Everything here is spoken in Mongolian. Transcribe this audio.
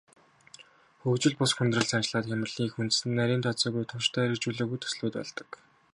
Хөгжил бус хүндрэл, цаашлаад хямралын эх үндэс нь нарийн тооцоогүй, тууштай хэрэгжүүлээгүй төслүүд болдог.